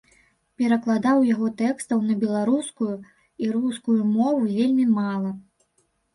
Перакладаў яго тэкстаў на беларускую і рускую мовы вельмі мала.